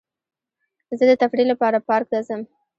زه د تفریح لپاره پارک ته ځم.